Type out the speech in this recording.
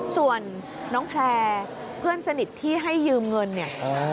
ส่วนน้องแพลร์เพื่อนสนิทที่ให้ยืมเงินเนี่ย